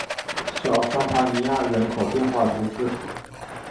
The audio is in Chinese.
小尚帕尼亚人口变化图示